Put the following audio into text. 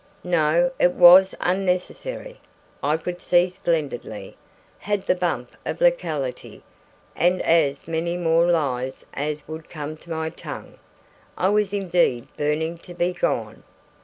No; it was unnecessary. I could see splendidly, had the bump of locality and as many more lies as would come to my tongue. I was indeed burning to be gone.